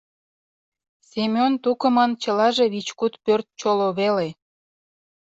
Семен тукымын чылаже вич-куд пӧрт чоло веле.